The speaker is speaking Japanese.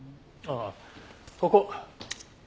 ああここ。